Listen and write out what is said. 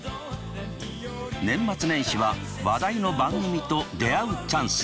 年末年始は話題の番組と出会うチャンス！